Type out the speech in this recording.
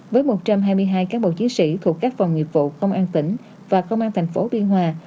với một trăm hai mươi hai cán bộ chiến sĩ thuộc các phòng nghiệp vụ công an tỉnh và công an thành phố biên hòa